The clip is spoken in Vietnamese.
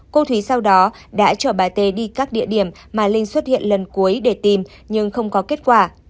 cô thúy sau đó đã chở bà tê đi các địa điểm mà linh xuất hiện lần cuối để tìm nhưng không có kết quả